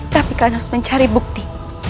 tapi kalian harus mencari bukti